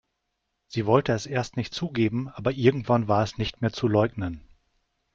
Sie wollte es erst nicht zugeben, aber irgendwann war es nicht mehr zu leugnen.